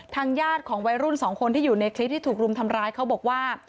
ญาติของวัยรุ่นสองคนที่อยู่ในคลิปที่ถูกรุมทำร้ายเขาบอกว่า